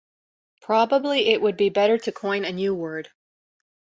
Probably it would be better to coin a new word.